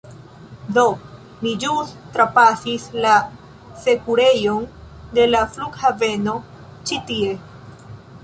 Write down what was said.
Do, mi ĵus trapasis la sekurejon de la flughaveno ĉi tie